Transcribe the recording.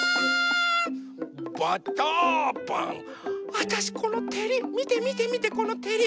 わたしこのてりみてみてみてこのてり。